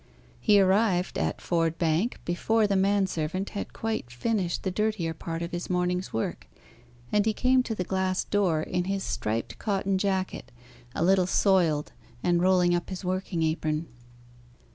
He arrived at Ford Bank before the man servant had quite finished the dirtier part of his morning's work, and he came to the glass door in his striped cotton jacket, a little soiled, and rolling up his working apron.